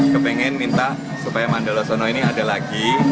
kepingin minta supaya mandala sana ini ada lagi